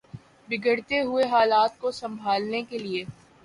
بگڑتے ہوئے حالات کو سنبھالنے کے لیے